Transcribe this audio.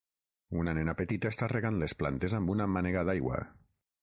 Una nena petita està regant les plantes amb una mànega d'aigua.